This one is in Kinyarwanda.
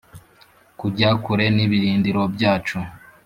kujya kure n'ibirindiro byacu